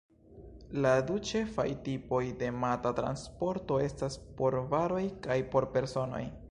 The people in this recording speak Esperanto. La du ĉefaj tipoj de mata transporto estas por varoj kaj por personoj.